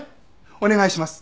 お願いします。